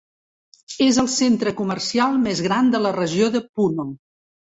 És el centre comercial més gran de la regió de Puno.